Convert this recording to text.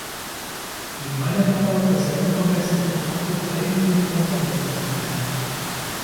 Wir meinen aber, dass er übermäßig befrachtet eigentlich kontraproduktiv wäre.